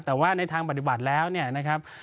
แต่ว่าในทางปฏิบัติแล้วเนี่ยนะครับ